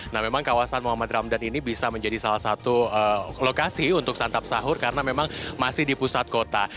nah memang kawasan muhammad ramdan ini bisa menjadi salah satu lokasi untuk santap sahur karena memang masih di pusat kota